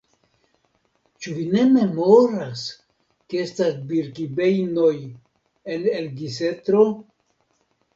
Ĉu vi ne memoras, ke estas Birkibejnoj en Elgisetro?